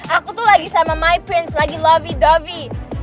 aku tuh lagi sama my prince lagi lovey dovi